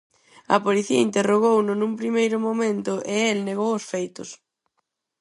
A policía interrogouno nun primeiro momento e el negou os feitos.